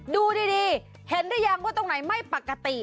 ดูดีเห็นหรือยังว่าตรงไหนไม่ปกติ